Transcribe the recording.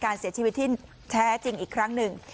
การเสียชีวิตที่แท้จริงอีกครั้งหนึ่ง